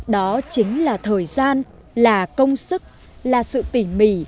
đó chính là thời gian là công sức là sự tỉ mỉ